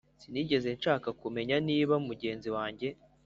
Sinigeze nshaka kumenya niba mugenzi wanjye.